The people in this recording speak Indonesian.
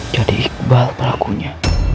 jadi iqbal pelakunya